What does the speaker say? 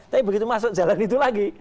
tapi begitu masuk jalan itu lagi